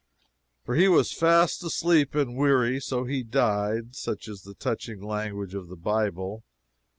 "For he was fast asleep and weary. So he died." Such is the touching language of the Bible.